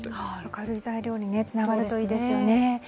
明るい材料につながるといいですよね。